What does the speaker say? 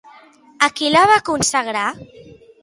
A qui la va consagrar?